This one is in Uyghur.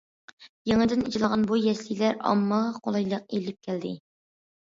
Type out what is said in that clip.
يېڭىدىن ئېچىلغان بۇ يەسلىلەر ئاممىغا قولايلىق ئېلىپ كەلدى.